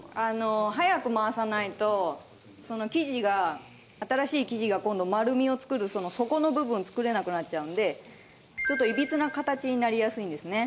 早く回さないと生地が新しい生地が今度丸みを作る底の部分作れなくなっちゃうんでちょっといびつな形になりやすいんですね。